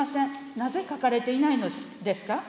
なぜ、書かれていないのですか。